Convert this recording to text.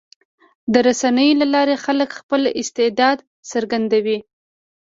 د رسنیو له لارې خلک خپل استعداد څرګندوي.